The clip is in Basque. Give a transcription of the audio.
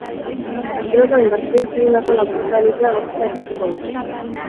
Atxilotua indarkeriaz egindako lapurreta delitua egotzita epaituko dute.